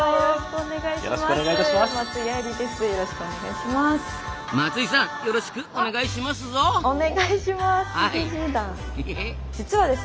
お願いします。